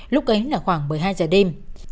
lúc ấy là khoảng một mươi hai giờ đêm